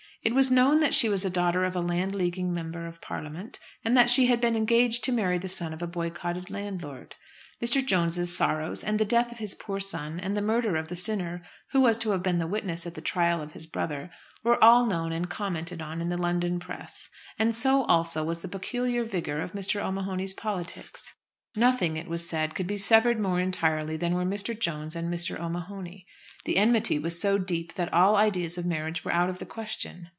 It was known that she was a daughter of a Landleaguing Member of Parliament, and that she had been engaged to marry the son of a boycotted landlord. Mr. Jones' sorrows, and the death of his poor son, and the murder of the sinner who was to have been the witness at the trial of his brother, were all known and commented on in the London press; and so also was the peculiar vigour of Mr. O'Mahony's politics. Nothing, it was said, could be severed more entirely than were Mr. Jones and Mr. O'Mahony. The enmity was so deep that all ideas of marriage were out of the question.